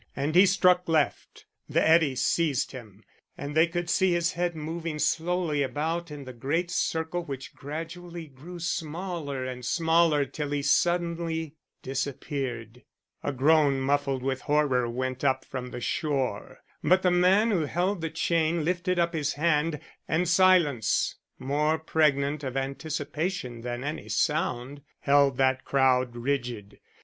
And he struck left. The eddy seized him and they could see his head moving slowly about in the great circle which gradually grew smaller and smaller till he suddenly disappeared. A groan muffled with horror went up from the shore. But the man who held the chain lifted up his hand, and silence more pregnant of anticipation than any sound held that whole crowd rigid.